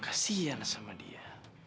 kasian sama dia